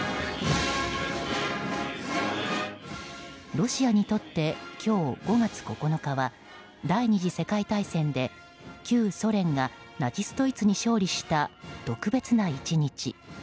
ロシアにとって今日５月９日は第２次世界大戦で旧ソ連がナチスドイツに勝利した特別な１日。